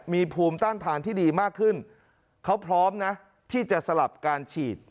มีภูมิต้านทานที่ดีมากขึ้นเขาพร้อมนะที่จะสลับการฉีด